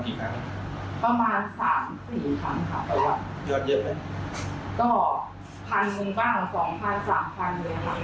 ก็๑๐๐๐บ้าง๒๐๐๐๓๐๐๐บ้างหรือ๕๐๐๐บ้าง